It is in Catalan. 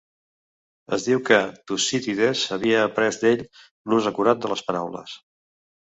Es diu que Tucídides havia après d'ell l'ús acurat de les paraules.